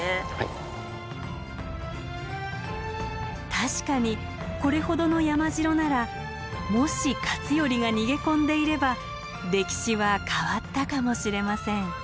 確かにこれほどの山城ならもし勝頼が逃げ込んでいれば歴史は変わったかもしれません。